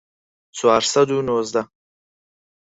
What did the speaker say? چوار سەد و نۆزدە